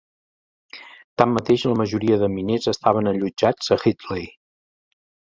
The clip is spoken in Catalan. Tanmateix, la majoria de miners estaven allotjats a Highley.